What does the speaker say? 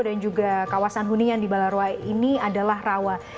dan juga kawasan hunian di balarwa ini adalah rawa